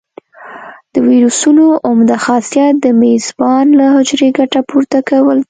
د ویروسونو عمده خاصیت د میزبان له حجرې ګټه پورته کول دي.